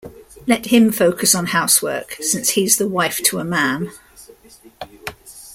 Let him focus on housework, since he's the wife to a man.